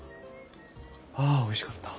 あおいしかった。